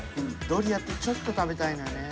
ドリアってちょっと食べたいのよね。